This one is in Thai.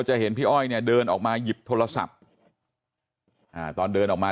จะเห็นพี่อ้อยเนี่ยเดินออกมาหยิบโทรศัพท์อ่าตอนเดินออกมา